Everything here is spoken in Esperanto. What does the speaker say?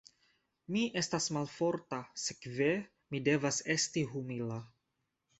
Mi estas malforta, sekve mi devas esti humila.